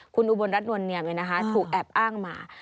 คุณอุบลรัฐนวรเนียมเลยนะคะถูกแอบอ้างมา